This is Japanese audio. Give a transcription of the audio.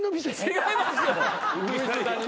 違いますよ。